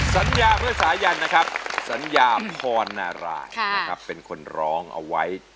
สัญญาเพื่อสายันนะครับสัญญาพรนารายนะครับเป็นคนร้องเอาไว้